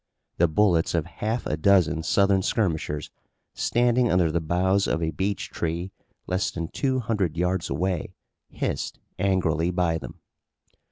The bullets of half a dozen Southern skirmishers, standing under the boughs of a beech tree less than two hundred yards away, hissed angrily by them.